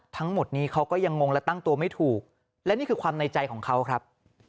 ทั้งหมดนี้เขาก็ยังงงและตั้งตัวไม่ถูกและนี่คือความในใจของเขาครับ